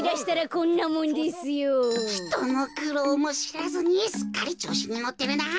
こころのこえひとのくろうもしらずにすっかりちょうしにのってるな。